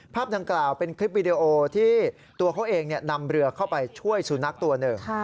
ดังกล่าวเป็นคลิปวีดีโอที่ตัวเขาเองนำเรือเข้าไปช่วยสุนัขตัวหนึ่ง